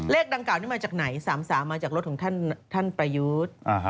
ดังกล่านี้มาจากไหน๓๓มาจากรถของท่านประยุทธ์